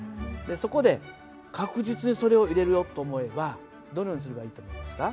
そこで確実にそれを入れるよと思えばどのようにすればいいと思いますか？